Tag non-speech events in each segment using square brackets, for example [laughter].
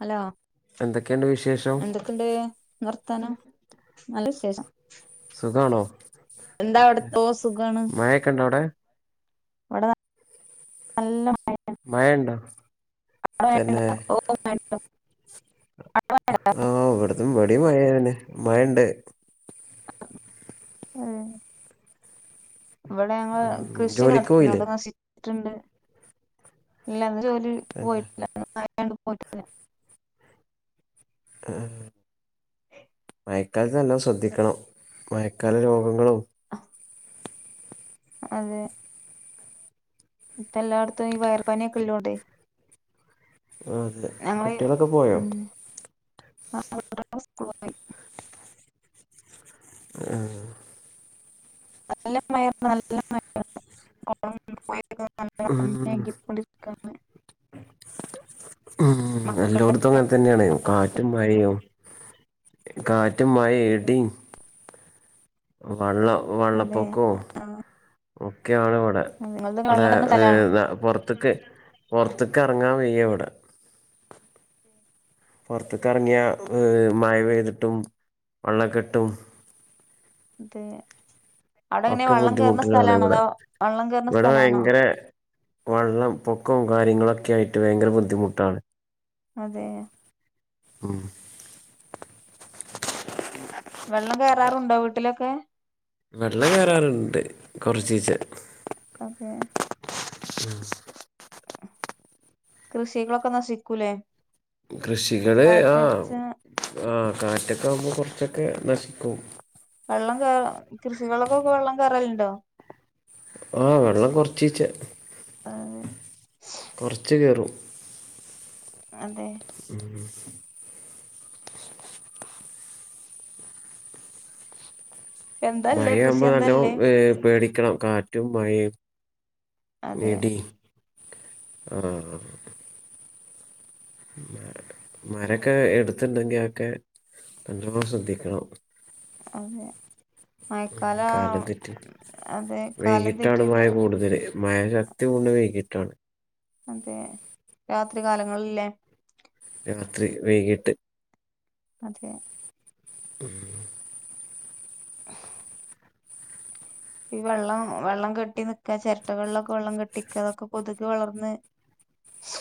Hello എന്തൊക്കെയുണ്ട് വിശേഷം എന്തൊക്കെയുണ്ട് വർത്താനം നല്ല വിശേഷം സുഖാണോ എന്താ അവിടെത്തോ സുഖമാണ് മഴയൊക്കെ ഉണ്ടോ അവിടെ ഇവിടെ നല്ല മഴ മയണ്ടോ ആ വേണ്ട ഓ വേണ്ട [inaudible] അതും മടി മഴെണ് മഴ ഇണ്ട് ഏഹ് ഇവിടെ ഞങ്ങള് ഉം, കൃഷി ക്കെ ജോലിക്ക് നടന്ന പോയില്ലേ അത് നശി ട്ട്ണ്ട് ഇല്ലത് ജോലി തന്നെ പോയിട്ടില്ല ആണ്ട് പോയിട്ടില്ല ഏഹ് മയെ ക്കാലത്ത് എല്ലാം ശ്രദ്ധിക്കണം മഴക്കാല രോഗങ്ങളും അ അതെ ഇപ്പ എല്ലാടത്തും ഈ വൈറൽ പനിക്കെ ഉള്ളോണ്ടെ ആ അതെ കുട്ടികളൊക്കെ പോയോ ആ [unintelligible] സ്കൂളിപോയി ആ നല്ല മഴ നല്ല മഴ ഉം [unintelligible] [unintelligible] ഉം എല്ലാടോത്തും മക്കളൊക്കെ അങ്ങനെ തന്നെയാണ് കാറ്റും ശ്രദ്ധിക്കണം. മഴയും കാറ്റും മഴേം ഇടി വെള്ളം അതെ ആ ഓക്കെ ഒക്കെയാണ് ഇവിടെ അതെ നിങ്ങളത് ഇവിടെ വെള്ളം കേറുന്ന സ്ഥലാണോ പുറത്തേക്ക് പുറത്തേക്ക് ഇറങ്ങാൻ വയ്യാ എവിടെ പൊറത്ത്ക്ക് ഇറങ്ങിയ മഴ പെയ്തിട്ടും വെള്ളക്കെട്ടും തെ ഒക്കെ ബുദ്ധിമുട്ടുകളാണ് ഇവിടെ വെള്ളം കേറുന്ന ഇവിടെ സ്ഥലാണോ ഭയങ്കര വെള്ളം പൊക്കം കാര്യങ്ങളൊക്കെ ആയിട്ട് ഭയങ്കര ബുദ്ധിമുട്ടാണ് അതെയാ ഉം വെള്ളം കേറാറുണ്ടോ വീട്ടിലൊക്കെ വെള്ളം കേറാറുണ്ട് കൊറച്ചീചെ അതെ [inaudible] കൃഷികളൊക്കെ നഷിക്കൂലേ കൃഷികള് ആ ആ കാറ്റൊക്കെ ആവുമ്പോ കൊറ ച്ചൊക്കെ നഷിക്കും വെള്ളം കേറ കൃഷികളൊക്കൊക്കെ വെള്ളം കേറലുണ്ടോ ആ വെള്ളം കൊറച്ചീചെ അതെ കുറച്ച് കയറും അതെ [unintelligible] [inaudible] മഴ എന്തല്ലേ കൃഷി ആവുമ്പോ നല്ലോ എന്തല്ലേ പേടി ക്കണം കാറ്റും മഴയും അതെ വിഇടിം ആഹ മരൊക്കെ എടുത്തിണ്ടെങ്കിൽ ഒക്കെ നല്ലോം ശ്രദ്ധിക്കണം അതെ മഴക്കാല കാലം തെറ്റ് അതെ കാലം വൈകിട്ടാണ് മഴ തെറ്റിയല്ലോ കൂടുതല് മഴ ശക്തി കൊണ്ട് വൈകിട്ട് ട്ടാണ് അതെ രാത്രി കാലങ്ങളല്ലേ രാത്രി വൈകിട്ട് അതെ ഉം ഹ ഇ വെള്ളം വെള്ളം കെട്ടി നിക്കാ ചിരട്ടകളിലൊക്കെ വെള്ളം കെട്ടിക്ക അതൊക്കെ കൊതുക് വളർന്ന്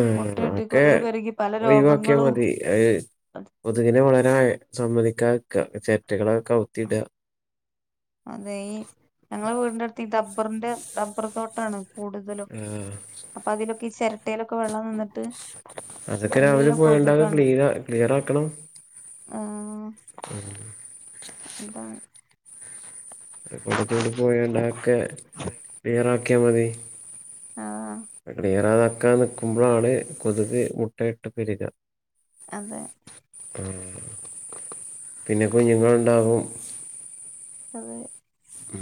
ഉം ആ മുട്ടയിട്ട് ക്കെ കൊതുക് പെരുകി പല ഒഴിവാക്കിയാ രോഗങ്ങളും മതി അത് കൊതുകിനെ വളരാൻ സമ്മതിക്കാ രിക്ക ചെരട്ടകള കൗത്തിടാ അതെ ഈ ഞങ്ങള് വീടിന്റെ അടുത്ത് ഈ ഡബ്ബറിന്റെ ഡബ്ബർ തോട്ടാണ് കൂടുതലും ആ അപ്പൊ അതിലൊക്കെ ഈ ചിരട്ടയിലൊക്കെ വെള്ളം നിന്നിട്ട് അതൊക്കെ നല്ല രാവിലെ പോയാണ്ടൊക്കെ കൊതുകാണ് ക്ലീന ആഹ് ഉം അതാ ഒരുകുടച്ചൂടി പോയണ്ട അക്കെ ക്ലിയറാക്കിയാ മതി ആഹ് ക്ലിയറാ ആക്കാൻ നിൽക്കുമ്പോഴാണ് കൊതുക് മുട്ടയിട്ട് പെരിക അതെ ആ പിന്നെ കുഞ്ഞുങ്ങളുണ്ടാകും അതെ ഉം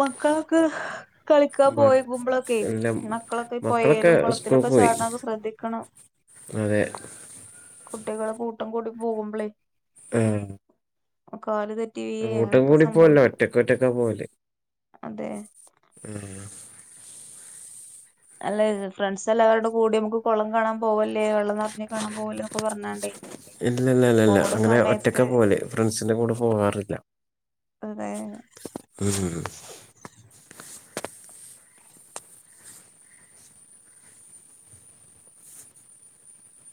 മക്കളക്കെ കളിക്കാ മ പോയേക്കുമ്പോളൊക്കെ എല്ലാം മക്കളൊക്കെ ഈ മക്കളൊക്കെ പൊയേലും സ്കൂളിൽ കുളത്തിലൊക്കെ പോയി ചാടണത് ശ്രദ്ധിക്കണം അതെ കുട്ടികള് കൂട്ടം കൂടി പോവുമ്പളേ ആഹ് പ്പ കാല് തെ കൂട്ടും കൂടി പോവല്ല ഒറ്റക്ക ഒറ്റക്കാ പോവല് അതെ ഉം അല്ല ഇ ഫ്രണ്ട്സ് എല്ലാവരോട് കൂടി മുക്ക് കുളം കാണാം പോവല്ലേ വെള്ളം നിറഞ്ഞ കാണാം പോവല്ലേ എന്നൊക്കെ പറഞ്ഞോണ്ടേ ഇല്ലല്ലല്ലല്ല പോവണ അങ്ങനെ സമയത്ത് ഒറ്റക്കാ പോവല് ഫ്രണ്ട്സിന്റെ കൂടെ പോകാറില്ല [unintelligible]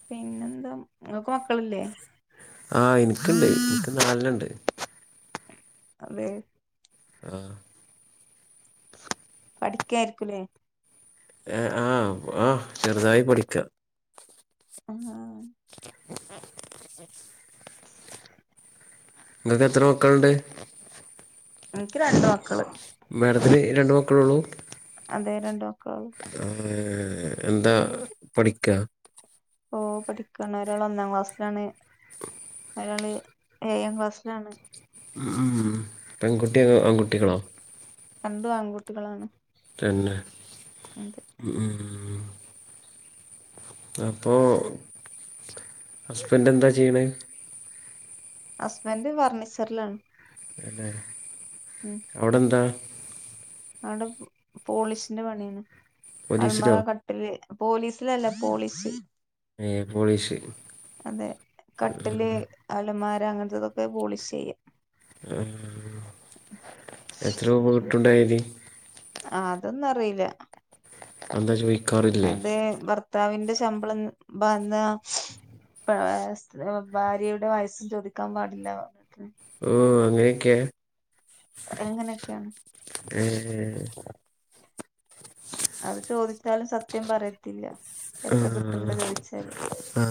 പിന്നെന്താ നിങ്ങക്ക് മക്കളില്ലേ ആഹ് എനിക്കണ്ട് എനിക്ക് നാലണ്ണ ണ്ട് അതെ ആഹ് പഠിക്കായിരിക്കൂലേ ഏ ആഹ് ആ ചെറുതായി പഠിക്ക ആഹ് ഇങ്ങക്ക് എത്ര മക്കളുണ്ട് എനിക്ക് രണ്ട് മക്കള് മേഡത്തിന് രണ്ട് മക്കള് ഉള്ളു അതെ രണ്ട് മ ക്കള് ഏഹ് എന്താ പഠിക്കാ ഓ പഠിക്കാണ് ഒരാൾ ഒന്നാം ക്ലാസ്സിലാണ് ഒരാള് ഏയാം ക്ലാസ്സിലാണ് ഉം ഉം പെൺകുട്ടിയാ ആൺകുട്ടികളോ രണ്ടും ആൺകൂട്ടികളാണ് തന്നെ ഉം ഉം അപ്പൊ ഹസ്ബൻറ്റ് എന്താ ചെയ്യണെ ഹസ്ബൻറ്റ് ഫർണിച്ചറിലാണ് പിന്നെ അവിടെന്താ അടെ പോ പോളിഷിന്റെ പണിയാണ് അൽമറ പോലീസിലോ കട്ടില് പോലീസിലല്ല പോളീസ് നെ പോളീഷ് മ്മ് അവര് അങ്ങനത്തതൊക്കെ പോളിഷ് ചെയ്യാ ആ എത്ര രൂപ വീട്ടുണ്ടായി [unintelligible] ആ അതൊന്നും അറിയില്ല ന്താ ചോയ് അതെ ഭർത്താവിന്റെ ശമ്പളം വന്ന [unintelligible] ഭാര്യയുടെ വയസ്സും ചോദിക്കാൻ പാടില്ല പറഞ്ഞി ഓ അങ്ങനോക്കെയാ അങ്ങനെയൊക്കെയാണ് ഏഹ് അത് ചോദിച്ചാലും സത്യം പറയത്തില്ല ആ, എത്ര കിട്ട്ണ്ട് ചോയിച്ചാല് ആ.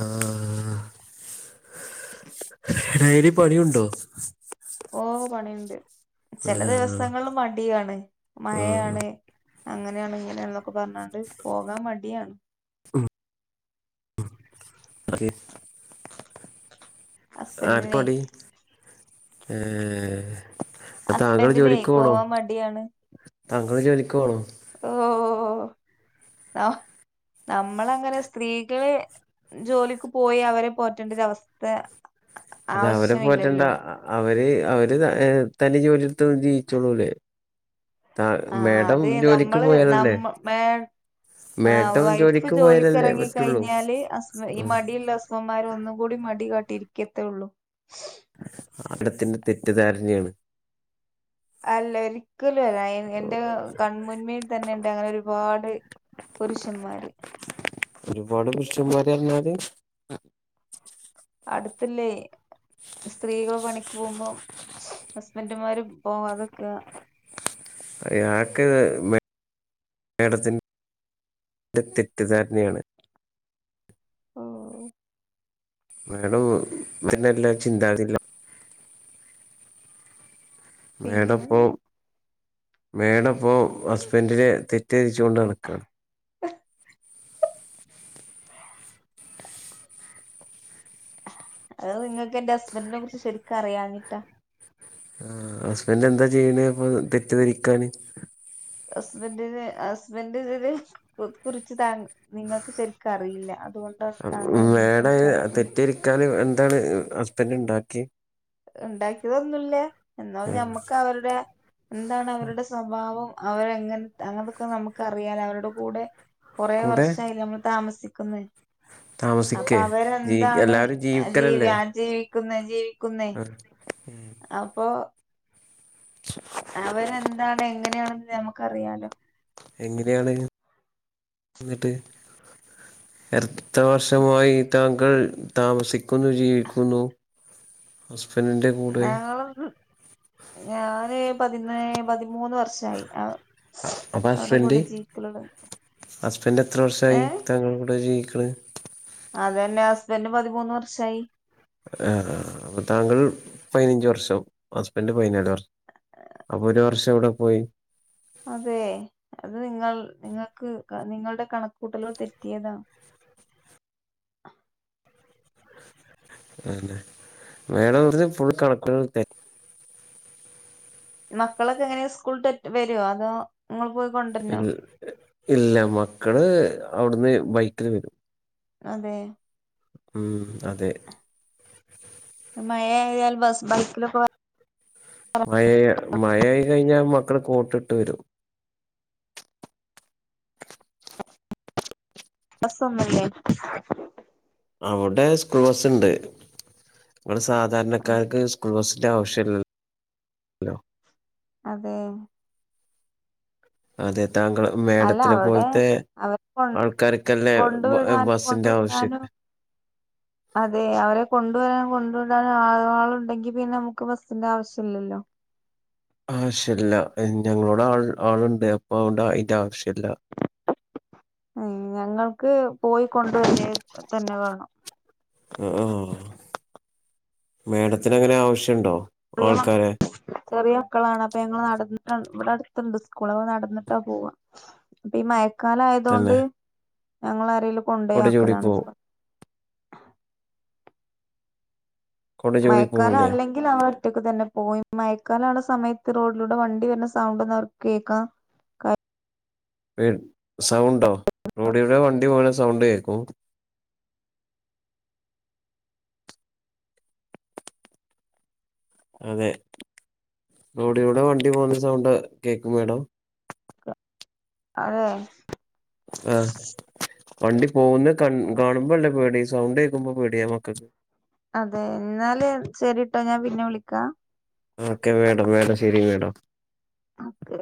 ഡെയിലി പണിയുണ്ടോ ഓ പണിയൊണ്ട് ആ, ചെല ദിവസങ്ങള് മടിയാണ് ആ. മയയാണ് അങ്ങനെയാണ് ഇങ്ങനെയാണ് എന്നൊക്കെ പറഞ്ഞാണ്ട് പോകാൻ മടിയാണ് ഉം അതെ ആ ഹസ്ബൻഡിനെ [unintelligible] ഏഹ് ഹസ്ബൻഡിനേ പോവാൻ മടിയാണ് താങ്കൾ ജോലി ഓ ഓ ഓ ന നമ്മളങ്ങനെ സ്ത്രീകള് ജോലിക്ക് പോയി അവരെ പോറ്റേണ്ടരവസ്ഥ അല്ല അവരെ പോറ്റണ്ട അവര് അവര് തന്നെ ജോലിയെടുത്ത് ജീവിച്ചോളൂല്ലേ ആ അതേ നമ്മള് പോയാലല്ലേ നമ്മ മേ ആ മേഡം വൈഫ് ജോലിക്ക് പോയാലല്ലേ ജോലിക്കെറങ്ങി പറ്റുള്ളൂ കഴിഞ്ഞാല് അസ്ബ ഈ ഉം. മടീള്ള അസ്ബമ്മാര് ഒന്നും കൂടി മടി കാ ട്ടി ഇരിക്കത്തേ ഒള്ളൂ അവിടത്തിന്റെ തെറ്റിദ്ധാരണയാണ് അല്ല എനി ക്ക് ലേ [unintelligible] എന്റെ കൺമുന്മേൽ തന്നെ ഇണ്ട് അങ്ങനെ ഒരുപാട് പുരുഷന്മാര് ഒരുപാട് പുൃഷന്മാര് അറഞ്ഞാല് അടുത്ത്ല്ലേ സ്ത്രീകള് പണിക്ക് പോകുമ്പം ഹസ്ബൻഡുമാരും പോകാതക്കാ അയാക്ക് മേഡത്തിൻ്റെ തെറ്റിദ്ധാരണയാണ്. ഓഹ് മാഡം [unintelligible] ചിന്താതില്ല മേഡപ്പം പിന്നെന്താ മേഡപ്പൊ ഹസ്ബന്ഡിനെ തെറ്റിദ്ധരിച്ചോണ്ട് നടക്കാണ്. അത് നിങ്ങക്ക് എൻ്റെ ഹസ്ബൻറിനെ കുറിച്ച് ശരിക്ക് അറിയാഞ്ഞിട്ടാ ആ ഹസ്ബൻഡ് എന്താ ചെയ്യണേ ഇപ്പൊ തെറ്റിദ്ധരിക്കാന്? ഹസ്ബൻഡിന് ഹസ്ബൻഡിതില് കു കുറിച്ച് താ നിങ്ങക്ക് ശരിക്ക് അറിയില്ലാന്ന് മേഡ തെറ്റിരിക്കാന് എന്താണ് ഹസ് ബൻഡ് ഇണ്ടാക്കി? ഇണ്ടാക്കിയതൊന്നുല്ല എന്നാൽ ഞമ്മക്ക് അവരുടെ എന്താണ് അവരുടെ സ്വഭാവം അവരെങ്ങനെത് അങ്ങനത്തൊക്കെ നമുക്കറിയാല അവരുടെ കൂടെ കുറേ കൂടെ വർഷായിലേ നമ്മള് താമസി ക്കമ്മേ താമസിക്കേ ജീ എല്ലാരും ജീവിക്കലല്ലേ. ക്കുന്ന ജീവിക്കുന്നേ ആ അപ്പൊ അവരെന്താണ് എങ്ങനെയാണെന്ന് നമ ക്കറിയാലോ. എങ്ങനെയാണ്? ഇന്നട്ട് എത്ര വർഷമായി താങ്കൾ താമസിക്കുന്നു ജീവിക്കുന്നു. ഹസ് ബൻഡിൻ്റെ കൂടെ ഞങ്ങള് ഞാന് പതിനേ പതിമൂന്ന് വർഷായി ആ അപ്പൊ അവരുടെ ഹസ്ബൻഡ് കൂടെ ജീവിക്കല് തൊടങ്ങി ഹസ്ബൻഡ് എത്ര ഏ വർഷമായി താങ്കൾ കൂടെ ജീവിക്കണ് അതെന്നെ ഹസ്ബന്ഡ് പതിമൂന്ന് വർഷായി ആ അപ്പൊ താങ്കൾ പതിനഞ്ച് വർഷവും ഹസ്ബൻഡ് പതിനാല് വർഷം അപ്പൊ ഒരു വർഷം എവിടെ പോയി അതെ അത് നിങ്ങൾ നിങ്ങൾക്ക് നിങ്ങളുടെ കണക്കൂട്ടലോ തെറ്റിയതാ അന്നെ മേഡം കുറച്ച് ഫുൾ കണക്കുകൾ തെ മക്കളൊക്കെ എങ്ങനെ സ്കൂള് ത വരോ അതോ നിങ്ങൾ പോയി ഇ കൊണ്ടരണോ ഇല്ല മക്കള് അവിടുന്ന് ബൈക്കില് വരും അതെ ഉം അതെ മഴ ആയാല് ബസ് ബസിലൊക്കെ വന്ന മഴ മഴ ആയി കഴിഞ്ഞാൽ മക്കൾ കോട്ട് ഇട്ട് വരും മദ്രസ്സ ഒന്നും ഇല്ലേ അവിടെ സ്കൂൾ ബസ് ഇണ്ട് നമ്മൾ സാധാരണക്കാർക്ക് സ്കൂൾ ബസ് ഇതാ ഓപ്ഷൻ ഹലോ അതെ അതെ താങ്കൾ അല്ല മേഡത്തിനെ അവിടെ പോലത്തെ അവർക്ക് കൊണ്ട് ആൾക്കാർക്കല്ലേ ബ കൊണ്ടുവിടാനും കൊണ്ട് ബസ്സിന്റെ ആവശ്യം വരാനൊക്കെ അതെ അവരേ കൊണ്ടുവരാനും കൊണ്ട് വിടാനും ആളുണ്ടെങ്കിൽ പിന്നെ നമ്മുക്ക് ബസിന്റെ ആവിശ്യം ഇല്ല ആവിശ്യല്ല ഞങ്ങളോടെ ആളുണ്ടെ അപ്പൊ അതിന്റെ ആവിശ്യം ഉം ഞങ്ങൾക്ക് ഞങ്ങൾക്ക് പോയി കൊണ്ട് വരിക തന്നെ വേണം ആ ആ മേഡത്തിന് അങ്ങനെ ആവിശ്യം ഇണ്ടോ ചെറിയ മക്ക ചെറിയ മക്കളാണ് അപ്പൊ ഞങ്ങൾ നട ന്ന് ഇവിടെ അടുത്തുണ്ട് സ്കൂൾ അപ്പോ നടന്നിട്ടാ പോവാ തന്നെ മഴകാലമായതോണ്ട് ഞങ്ങൾ ആരേലും കൊണ്ടോയ് കൊട ചൂടി ആക്കലാണ് പോവും ഇപ്പൊ [unintelligible] കൊട ചൂടി മഴക്കാലം പോവൂലേ അല്ലെങ്കിൽ അവൾ ഒറ്റക്ക് തന്നെ പോവും മഴക്കാലം ആവണ സമയത്ത് റോഡിലൂടെ വണ്ടി വരണ സൗണ്ട് ഒന്നും അവർക്ക് കേൾക്കാൻ കഴി പേര് സൗണ്ടോ റോഡിലൂടെ വണ്ടി പോവുന്ന സൗണ്ട് കേൾക്കും അതെ റോഡിലൂടെ വണ്ടി പോകുന്ന സൗണ്ട് കേൾക്കും മേഡം അഹ് [unintelligible] വണ്ടി പോവുന്ന കണ്ട് കാണുമ്പല്ലെ പേടി സൗണ്ട് കേക്കുമ്പോ പേട്യാ മ്മക്ക് [inaudible] ഓക്കേ മാഡം മാഡം ശെരി മാഡം അ ക്കെ